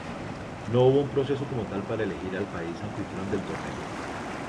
No hubo un proceso como tal para elegir al país anfitrión del torneo.